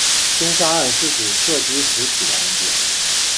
凶杀案是指涉及死体的案件。